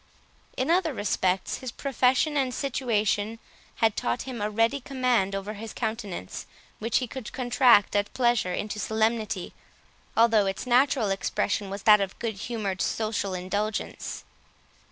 In other respects, his profession and situation had taught him a ready command over his countenance, which he could contract at pleasure into solemnity, although its natural expression was that of good humoured social indulgence.